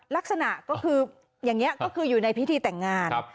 ลักษณะก็คืออย่างนี้ก็คืออยู่ในพิธีแต่งงาน